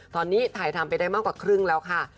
ตอนนี้ถ่ายทำไปได้มากกว่าครึ่งแล้วค่ะ